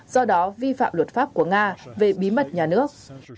do đó vi phạm luật pháp của nga về bí mật nhà nước